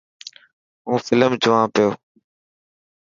هون فلم جوان پيو.